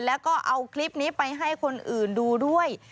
แล้วก็เอาคลิปนี้ไปให้คนอื่นดูด้วย